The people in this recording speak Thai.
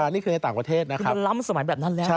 อ๋อนี่คือในต่างประเทศนะครับ